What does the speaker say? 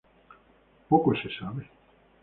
Poco se sabe.